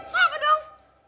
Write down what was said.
salah apa dong